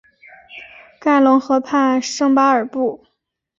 盖隆河畔圣巴尔布。